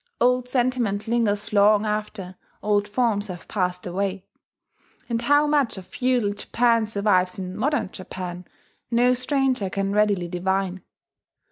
Old sentiment lingers long after old forms have passed away; and how much of feudal Japan survives in modern Japan, no stranger can readily divine.